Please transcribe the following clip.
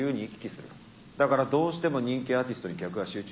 だからどうしても人気アーティストに客が集中する。